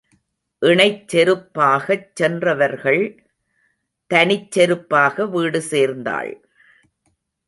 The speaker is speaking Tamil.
இணைச் செருப்பாகச் சென்றவர்கள் தனிச் செருப்பாக வீடு சேர்ந்தாள்.